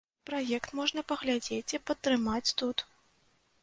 Праект можна паглядзець і падтрымаць тут.